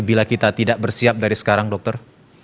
bila kita tidak bersiap dari sekarang dokter